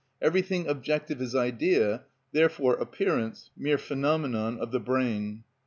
Everything objective is idea, therefore appearance, mere phenomenon of the brain.